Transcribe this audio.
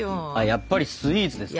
やっぱりスイーツですか？